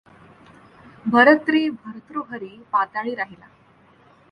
भर्तरी भर्तृहरि पाताळीं राहिला.